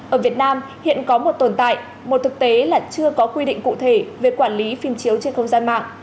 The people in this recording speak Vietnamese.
ở việt nam hiện có một tồn tại một thực tế là chưa có quy định cụ thể về quản lý phim chiếu trên không gian mạng